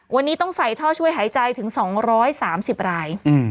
วันนี้ต้องใส่ท่อช่วยหายใจถึง๒๓๐ราย